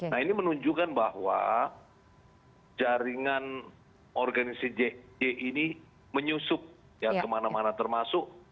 nah ini menunjukkan bahwa jaringan organisasi jj ini menyusup ya kemana mana termasuk